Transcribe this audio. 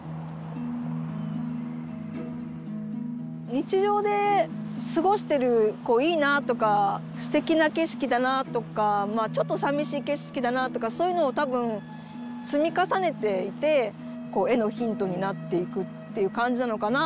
日常で過ごしてるこういいなとかすてきな景色だなとかまあちょっとさみしい景色だなとかそういうのを多分積み重ねていてこう絵のヒントになっていくっていう感じなのかな。